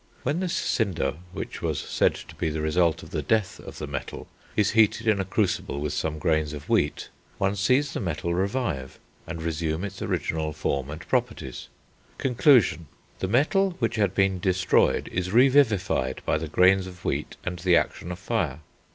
When this cinder, which was said to be the result of the death of the metal, is heated in a crucible with some grains of wheat, one sees the metal revive, and resume its original form and properties. Conclusion. The metal which had been destroyed is revivified by the grains of wheat and the action of fire.